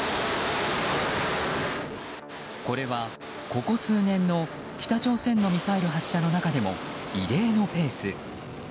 これは、ここ数年の北朝鮮のミサイル発射の中でも異例のペース。